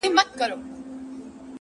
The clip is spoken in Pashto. د ښویېدلي سړي لوري د هُدا لوري ـ